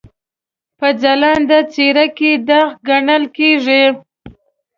په ځلانده څېره کې داغ ګڼل کېږي.